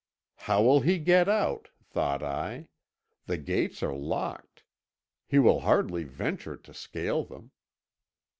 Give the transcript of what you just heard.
'How will he get out?' thought I; 'the gates are locked; he will hardly venture to scale them.'